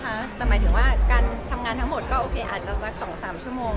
ใช่นะคะแต่หมายถึงว่าการทำงานทั้งหมดอาจจะคือ๒๓ชั่วโมง